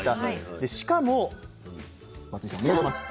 しかも松井さんお願いします。